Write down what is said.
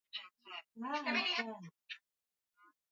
Wanasayansi hawajui Jinsi Mti mpya wa rekodi